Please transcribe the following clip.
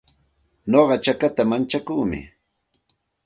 Nuqa chakata mantsakuumi.